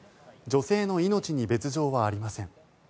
女性の命に別条はありません。